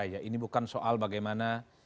ini bukan soal bagaimana